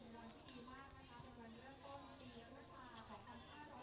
ปรับปฤตภัณฑ์พวกคุณสาธารณะ